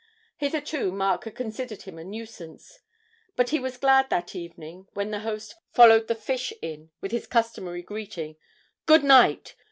Hitherto Mark had considered him a nuisance, but he was glad that evening when the host followed the fish in with his customary greeting. 'Good night!